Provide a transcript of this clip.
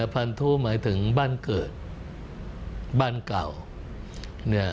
พันธุหมายถึงบ้านเกิดบ้านเก่าเนี่ย